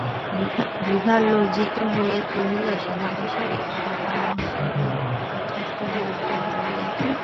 বিভা লজ্জিত হইয়া কহিল, দাদামহাশয়, বাবার কাছে আমার কথা সমস্ত বলিয়াছ?